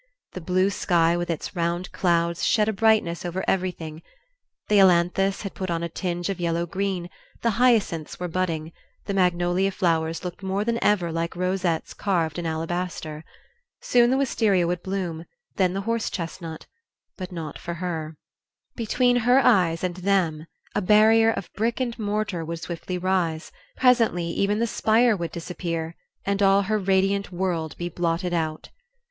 The blue sky with its round clouds shed a brightness over everything; the ailanthus had put on a tinge of yellow green, the hyacinths were budding, the magnolia flowers looked more than ever like rosettes carved in alabaster. Soon the wistaria would bloom, then the horse chestnut; but not for her. Between her eyes and them a barrier of brick and mortar would swiftly rise; presently even the spire would disappear, and all her radiant world be blotted out.